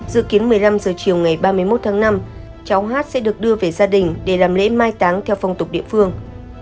dự kiến một mươi năm h chiều ngày ba mươi một tháng năm cháu hát sẽ được đưa về gia đình để làm lễ mai táng theo phong tục địa phương